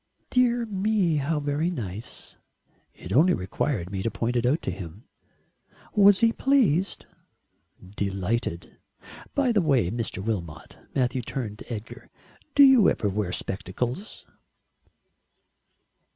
"Dear me, how very nice." "It only required me to point it out to him." "Was he pleased?" "Delighted. By the way, Mr. Wilmot," Matthew turned to Edgar "do you ever wear spectacles?"